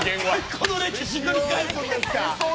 この歴史を繰り返すんですか！